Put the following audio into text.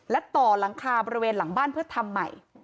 และต่อหลังคาบริเวณหลังบ้านเพื่อทำใหม่